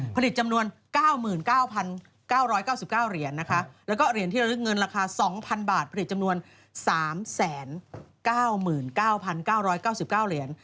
ผลิตจำนวนเงินเงินราคาสองพันบาทผลิตจำนวนสามแสนเก้าหมื่นเก้าพันเก้าร้อยเก้าสิบเก้าเหรียญ